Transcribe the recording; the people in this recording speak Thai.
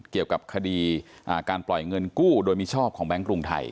เกี่ยวกับคดีการปล่อยเงินกู้โดยมิชอบของแบงค์กรุงไทย